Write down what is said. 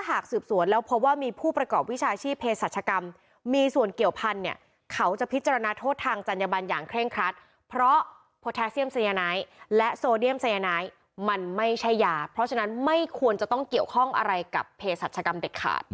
เพราะโพแทสเซียมไซยาไนท์และโซเดียมไซยาไนท์มันไม่ใช่ยาเพราะฉะนั้นไม่ควรจะต้องเกี่ยวข้องอะไรกับเพศสัชกรรมเด็กขาด